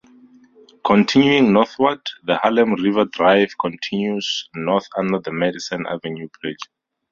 Continuing northward, the Harlem River Drive continues north under the Madison Avenue Bridge.